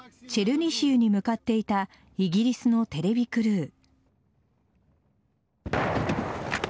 チェルニヒウに向かっていたイギリスのテレビクルー。